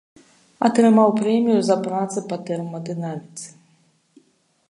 Атрымаў прэмію за працы па тэрмадынаміцы.